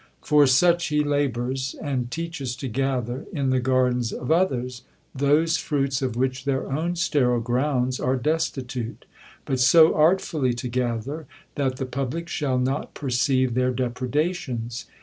For such he labours; and teaches to gather, in the gardens of others, those fruits of which their own sterile grounds are destitute; but so artfully to gather, that the public shall not perceive their depredations.